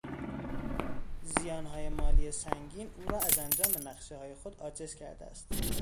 زیانهای مالی سنگین او را از انجام نقشههای خود عاجز کرده است.